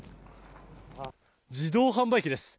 自動販売機です。